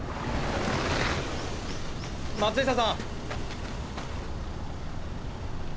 松下さん！